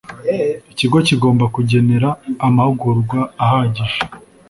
ikigo kigomba kugenera amahugurwa ahagije